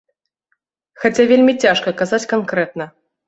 Хаця вельмі цяжка казаць канкрэтна.